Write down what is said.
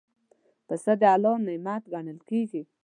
پسه د الله نعمت ګڼل کېږي.